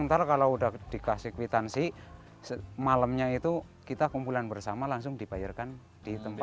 ntar kalau udah dikasih kwitansi malamnya itu kita kumpulan bersama langsung dibayarkan di tempat